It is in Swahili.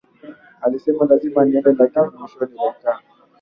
Alisema lazima niende, lakini mwishowe nilikaa